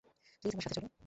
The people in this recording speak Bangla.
প্লীজ আমার সাথে চলো।